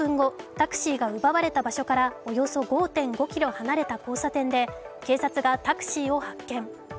タクシーが奪われた場所からおよそ５．５ｋｍ離れた交差点で警察がタクシーを発見。